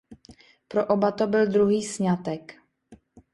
Pro oba to byl druhý sňatek.